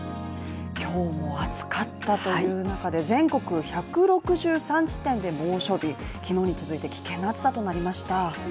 今日も暑かったという中で全国１６３地点で猛暑日、昨日に続いて危険な暑さとなりました。